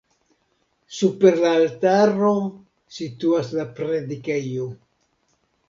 Super la altaro situas la predikejo.